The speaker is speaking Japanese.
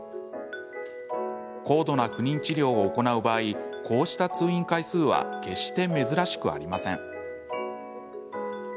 高度な不妊治療を行う場合こうした通院回数は決して珍しくありません。